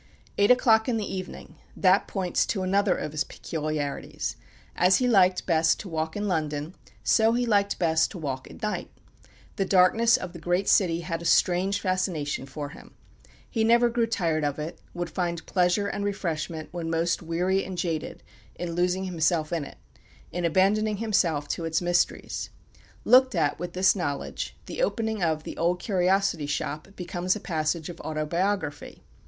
"Eight o'clock in the evening," that points to another of his peculiarities. As he liked best to walk in London, so he liked best to walk at night. The darkness of the great city had a strange fascination for him. He never grew tired of it, would find pleasure and refreshment, when most weary and jaded, in losing himself in it, in abandoning himself to its mysteries. Looked at with this knowledge, the opening of the "Old Curiosity Shop" becomes a passage of autobiography.